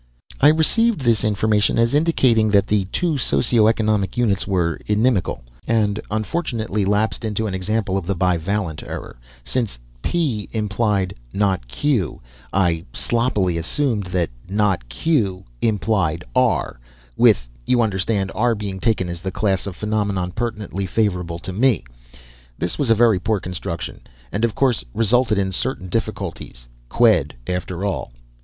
I received this information as indicating that the two socio economic units were inimical, and unfortunately lapsed into an example of the Bivalent Error. Since p implied not q, I sloppily assumed that not q implied r (with, you understand, r being taken as the class of phenomena pertinently favorable to me). This was a very poor construction, and of course resulted in certain difficulties. Qued, after all.